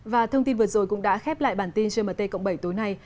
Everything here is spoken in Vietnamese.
và thông tin vừa rồi cũng đã khép lại bản tin gmt cộng bảy tối nay